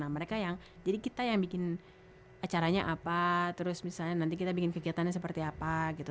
nah mereka yang jadi kita yang bikin acaranya apa terus misalnya nanti kita bikin kegiatannya seperti apa gitu